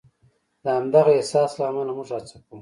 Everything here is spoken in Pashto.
د همدغه احساس له امله موږ هڅه کوو.